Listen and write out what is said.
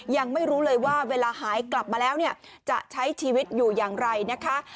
ยังไม่รู้เลยว่าเวลาหายกลับมาแล้วเนี่ยจะใช้ชีวิตอยู่อย่างไรนะคะ